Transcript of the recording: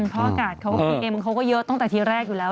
เพราะอากาศเขาก็เยอะตั้งแต่ทีแรกอยู่แล้ว